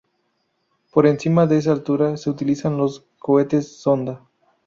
Por encima de esa altura, se utilizan los cohetes sonda.